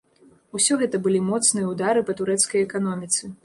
Усё гэта былі моцныя ўдары па турэцкай эканоміцы.